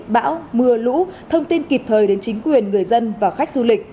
bão mưa lũ thông tin kịp thời đến chính quyền người dân và khách du lịch